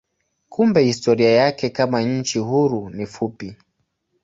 Kumbe historia yake kama nchi huru ni fupi.